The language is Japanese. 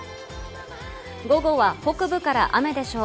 午後は北部から雨でしょう。